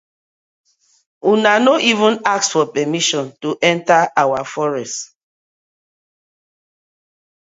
Una no even ask for permission to enter our forest.